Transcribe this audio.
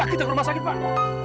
kita ke rumah sakit pak